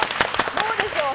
どうでしょう？